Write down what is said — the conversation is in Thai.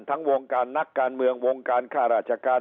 วงการนักการเมืองวงการค่าราชการ